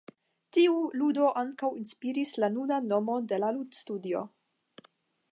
Tiu ludo ankaŭ inspiris la nunan nomon de la ludstudio.